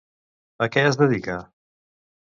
A què es dedica?